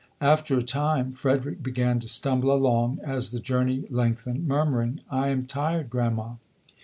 After a time Frederick began to stumble along as the journey lengthened, murmuring, "I am tired, Grandma".